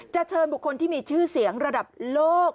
เชิญบุคคลที่มีชื่อเสียงระดับโลก